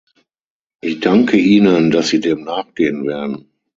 Ich danke Ihnen, dass Sie dem nachgehen werden.